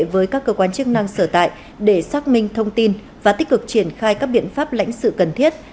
với các cơ quan chức năng sở tại để xác minh thông tin và tích cực triển khai các biện pháp lãnh sự cần thiết